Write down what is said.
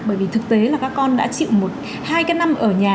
bởi vì thực tế là các con đã chịu một hai cái năm ở nhà